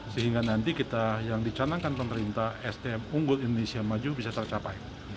sehingga nanti kita yang dicanangkan pemerintah sdm unggul indonesia maju bisa tercapai